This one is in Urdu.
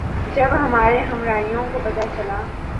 جب ہمارے ہمراہیوں کو پتہ چلا